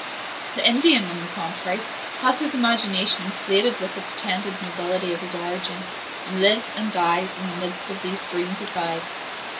The Indian, on the contrary, has his imagination inflated with the pretended nobility of his origin, and lives and dies in the midst of these dreams of pride.